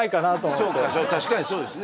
そうか確かにそうですね